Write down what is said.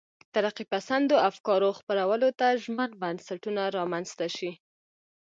ترقي پسندو افکارو خپرولو ته ژمن بنسټونه رامنځته شي.